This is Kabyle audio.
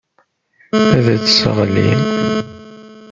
Ad t-tesseɣli.